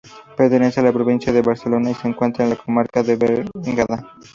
Pertenece a la provincia de Barcelona y se encuentra en la comarca del Bergadá.